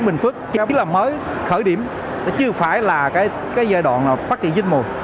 bình phước chỉ là mới khởi điểm chứ không phải là giai đoạn phát triển dân mù